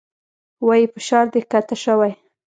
وايي فشار دې کښته شوى.